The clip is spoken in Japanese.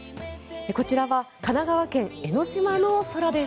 こちらは神奈川県・江の島の空です。